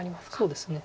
そうですね。